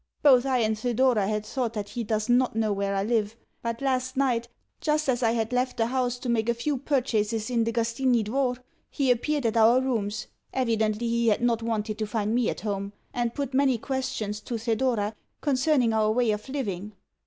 Both I and Thedora had thought that he does not know where I live; but, last night, just as I had left the house to make a few purchases in the Gostinni Dvor, he appeared at our rooms (evidently he had not wanted to find me at home), and put many questions to Thedora concerning our way of living.